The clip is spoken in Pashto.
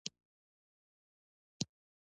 ښځه د خپل حق لپاره ولاړه وي.